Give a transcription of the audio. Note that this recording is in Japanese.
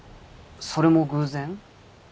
それも偶然？